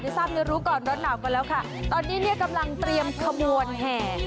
ที่ทราบเรียนรู้ก่อนรถหนาวก่อนแล้วค่ะตอนนี้เนี่ยกำลังเตรียมขมวลแห่